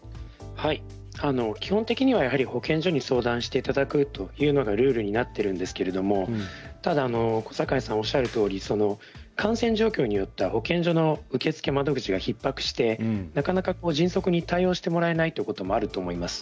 基本的には保健所に相談していただくというのがルールになっているんですけれどもただ小堺さんおっしゃるように感染状況によって保健所の受付窓口が、ひっ迫して迅速に対応してもらえないことがあると思います。